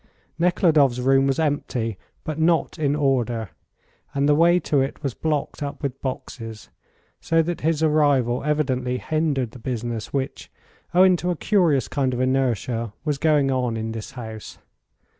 Nekhludoff's room was empty, but not in order, and the way to it was blocked up with boxes, so that his arrival evidently hindered the business which, owing to a curious kind of inertia, was going on in this house.